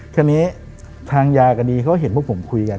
คราวนี้ทางยากดิเยี่ยมเขาก็เห็นว่าผมคุยกัน